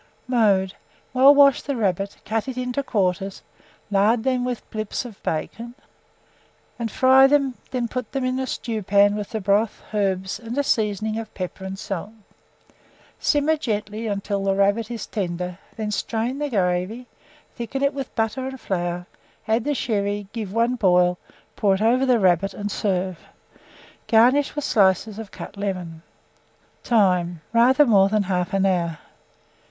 Mode. Well wash the rabbit, cut it into quarters, lard them with Blips of bacon, and fry them; then put them into a stewpan with the broth, herbs, and a seasoning of pepper and salt; simmer gently until the rabbit is tender, then strain the gravy, thicken it with butter and flour, add the sherry, give one boil, pour it over the rabbit, and serve. Garnish with slices of cut lemon. Time. Rather more than 1/2 hour.